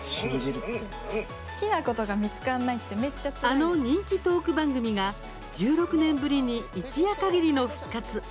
あの人気トーク番組が１６年ぶりに一夜限りの復活。